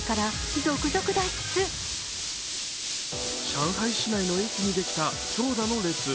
上海市内の駅にできた長蛇の列。